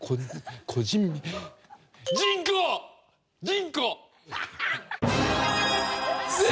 ジンコ！